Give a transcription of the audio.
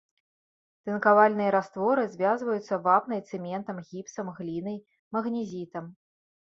Тынкавальныя растворы звязваюцца вапнай, цэментам, гіпсам, глінай, магнезітам.